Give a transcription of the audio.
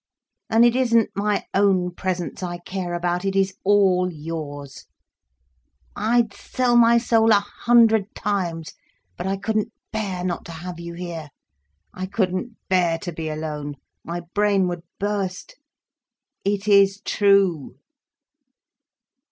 And it isn't my own presence I care about, it is all yours. I'd sell my soul a hundred times—but I couldn't bear not to have you here. I couldn't bear to be alone. My brain would burst. It is true."